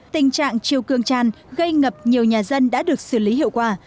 tình trạng chiều cường tràn gây ngập nhiều nhà dân đã được xử lý hiệu quả